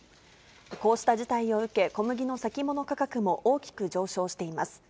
こうした事態を受け、小麦の先物価格も大きく上昇しています。